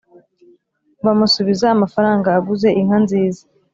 bamusubiza amafaranga aguze inka nziza